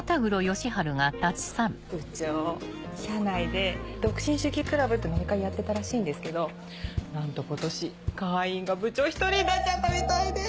部長社内で「独身主義クラブ」って飲み会やってたらしいんですけどなんと今年会員が部長１人になっちゃったみたいで！